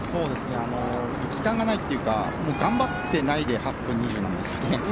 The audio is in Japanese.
力感がないというか頑張ってないで８分３０秒なんですね。